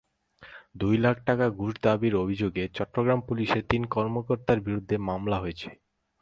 দুই লাখ টাকা ঘুষ দাবির অভিযোগে চট্টগ্রামে পুলিশের তিন কর্মকর্তার বিরুদ্ধে মামলা হয়েছে।